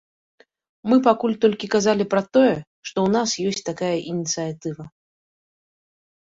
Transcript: Мы пакуль толькі казалі пра тое, што ў нас ёсць такая ініцыятыва.